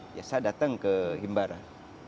saya datang ke himbaran